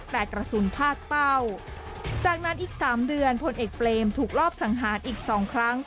แต่กระสุนพาดเป้าจากนั้นอีกสามเดือนพลเอกเปรมถูกรอบสังหารอีกสองครั้ง